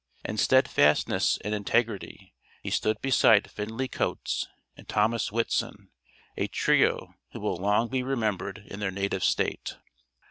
In steadfastness and integrity he stood beside Findley Coates and Thomas Whitson, a trio who will long be remembered in their native State.